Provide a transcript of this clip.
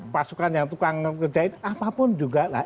pasukan yang tukang ngerjain apapun juga lah